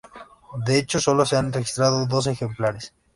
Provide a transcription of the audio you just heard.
De hecho, solo se han registrado dos ejemplares.